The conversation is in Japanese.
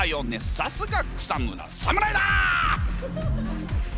さすが草村侍だ！